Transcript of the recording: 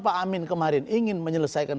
pak amin kemarin ingin menyelesaikan